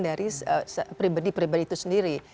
dari pribadi pribadi itu sendiri